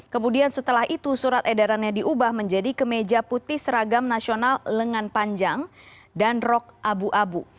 kemudian setelah itu surat edarannya diubah menjadi kemeja putih seragam nasional lengan panjang dan rok abu abu